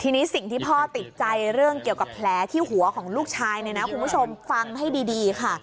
ทีนี้สิ่งที่พ่อติดใจเรื่องเกี่ยวกับแผลที่หัวของลูกชายเนี่ยนะคุณผู้ชมฟังให้ดีค่ะ